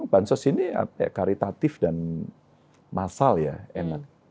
bansos ini karitatif dan massal ya enak